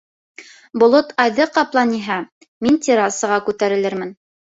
Болот айҙы ҡапланиһә, мин террасаға күтәрелермен.